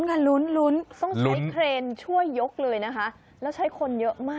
ต้องใช้เครนช่วยยกเลยนะคะ